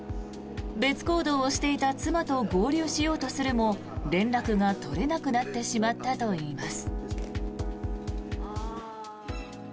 別行動をしていた妻と合流しようとするも連絡が取れなくなってしまったといいます。